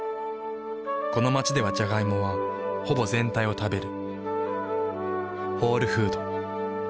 この街ではジャガイモはほぼ全体を食べる。